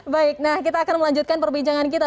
baik nah kita akan melanjutkan perbincangan kita